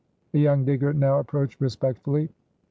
A young digger now approached respectfully.